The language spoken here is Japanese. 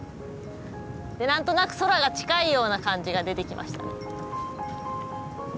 何となく空が近いような感じが出てきました。